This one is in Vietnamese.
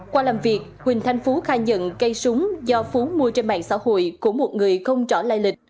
qua làm việc huỳnh thanh phú khai nhận cây súng do phú mua trên mạng xã hội của một người không rõ lai lịch